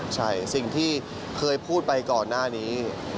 ใช่สิ่งที่เคยพูดไปก่อนหน้านี้